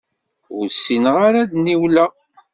Ur ssineɣ ara ad niwleɣ!